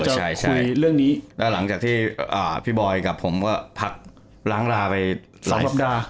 ใช่ใช่คุยเรื่องนี้แล้วหลังจากที่อ่าพี่บอยกับผมว่าพักล้างลาไปสองบาปราบดา